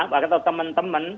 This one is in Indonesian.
paket atau teman teman